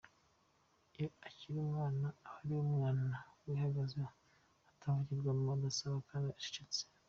Iyo akiri umwana aba ari umwana wihagazeho utavugirwamo, udasabana kandi ucecetse.